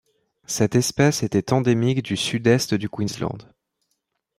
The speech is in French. Cette espèce était endémique du Sud-Est du Queensland.